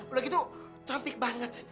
udah gitu cantik banget